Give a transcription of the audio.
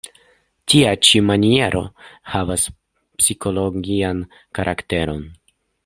Tia ĉi maniero havas psikologian karakteron.